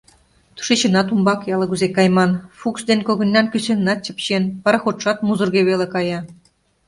Тушечынат умбаке ала-кузе кайман, Фукс ден когыньнан кӱсеннат чыпчен, пароходшат музырге веле кая.